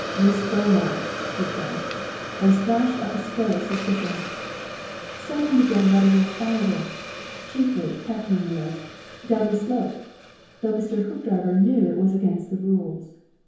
"MISS BEAUMONT," he said, and splashed up a spray of suspicion. Some one began letting off fireworks, chiefly Catherine wheels, down the shop, though Mr. Hoopdriver knew it was against the rules.